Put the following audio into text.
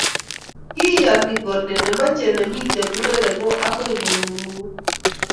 kiiyani kole ne mechei ne mito kurere ko agoi ko ng'uruko